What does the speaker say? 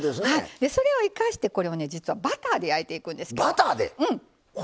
それを生かして実はバターで焼いていくんですよ。